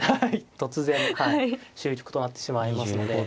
突然はい終局となってしまいますので。